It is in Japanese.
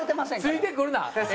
ついてくるな。